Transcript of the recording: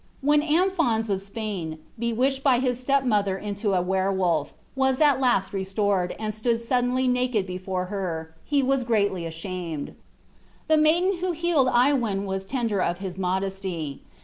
When Amphons of Spain, bewitched by his step mother into a were wolf, was at last restored, and stood suddenly naked before her, he was greatly ashamed. The maiden who healed Iwein was tender of his modesty.